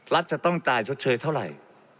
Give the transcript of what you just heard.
รัฐจะต้องจ่ายชดเชยเท่าไหร่